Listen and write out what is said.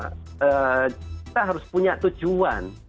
kita harus punya tujuan